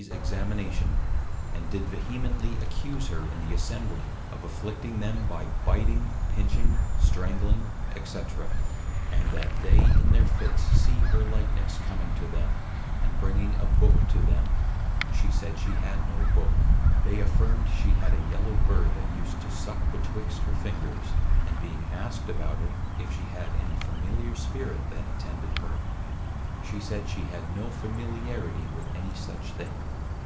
's_ Examination, and did vehemently Accuse her in the Assembly of Afflicting them, by Biting, Pinching, Strangling, &c. And that they in their Fits see her Likeness coming to them, and bringing a Book to them; she said, she had no Book; they affirmed, she had a Yellow Bird, that used to suck betwixt her Fingers, and being asked about it, if she had any Familiar Spirit, that attended her? she said, _She had no Familiarity with any such thing.